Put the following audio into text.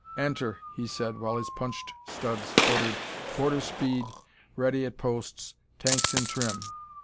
"Enter," he said, while his punched studs ordered, "Quarter Speed, Ready at Posts, Tanks in Trim."